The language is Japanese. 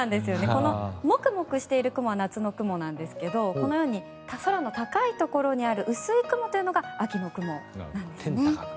このモクモクしている雲は夏の雲なんですけどこのように空の高いところにある薄い雲というのが秋の雲なんですね。